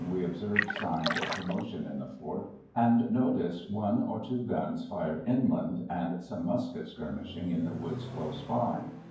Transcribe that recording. we observed signs of commotion in the fort, and noticed one or two guns fired inland, and some musket skirmishing in the woods close by.